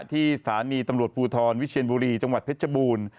ที่สถานีตำรวจภูทรวิเชียนบุรีจังหวัดเพชรบูรณ์